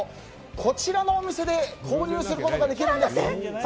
こちらのお店で購入することができるんです。